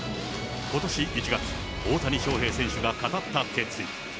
ことし１月、大谷翔平選手が語った決意。